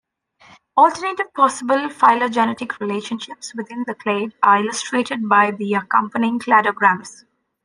Alternative possible phylogenetic relationships within the clade are illustrated by the accompanying cladograms.